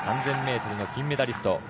３０００ｍの金メダリスト